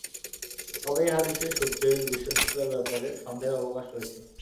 তবে এ হাদীসের সূত্রের বিশুদ্ধতার ব্যাপারে সন্দেহের অবকাশ রয়েছে।